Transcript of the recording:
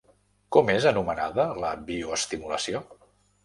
Com és anomenada la bioestimulació?